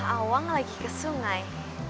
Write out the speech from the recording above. awang lagi ke sungai